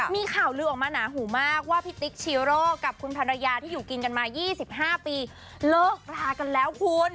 มีข่าวลือออกมาหนาหูมากว่าพี่ติ๊กชีโร่กับคุณภรรยาที่อยู่กินกันมา๒๕ปีเลิกรากันแล้วคุณ